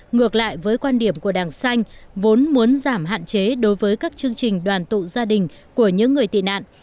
ngược lại với quan điểm của đảng xanh vốn muốn giảm hạn chế đối với các chương trình đoàn tụ gia đình của những người tị nạn